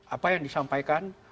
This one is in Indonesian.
apa yang disampaikan